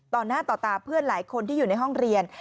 ต่อหน้าต่อตาเพื่อนหลายคนที่อยู่ในห้องเรียน